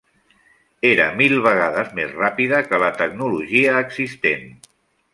Era mil vegades més ràpida que la tecnologia existent.